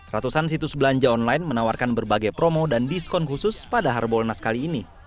ratusan situs belanja online menawarkan berbagai promo dan diskon khusus pada harbolnas kali ini